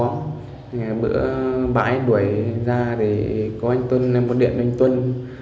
ngày bữa bãi đuổi ra thì có anh tuân em muốn điện với anh tuân